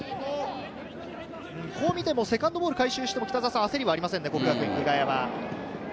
こう見てもセカンドボールを回収しても焦りはありませんね、國學院久我山。